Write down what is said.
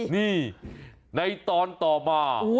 นี่ในตอนต่อมา